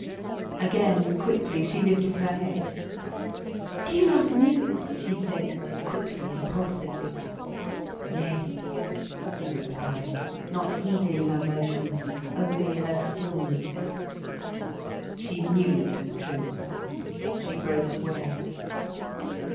Again, quickly, she lifted her head. "Do you love me?" she said, quickly, impulsively. "Yes," he replied, not heeding her motion, only her stillness. She knew it was true. She broke away.